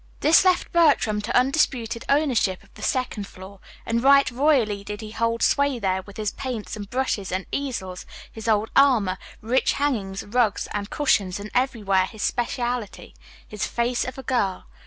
This left Bertram to undisputed ownership of the second floor, and right royally did he hold sway there with his paints and brushes and easels, his old armor, rich hangings, rugs, and cushions, and everywhere his specialty his "Face of a Girl."